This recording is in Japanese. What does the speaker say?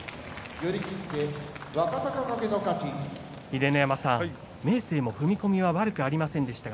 秀ノ山さん、明生も踏み込みは悪くありませんでした。